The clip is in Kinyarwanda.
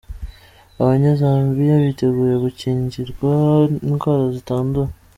Abanyazambiya biteguye gukingirwa indwara zitandura